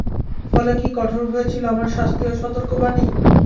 ফলে কী কঠোর হয়েছিল আমার শাস্তি ও সতর্কবাণী!